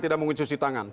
tidak mungkin cuci tangan